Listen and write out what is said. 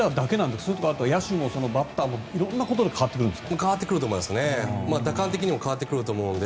それとも野手もバッターも色んなことで変わってくるんですか？